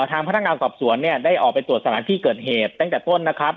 ทางพนักงานสอบสวนเนี่ยได้ออกไปตรวจสถานที่เกิดเหตุตั้งแต่ต้นนะครับ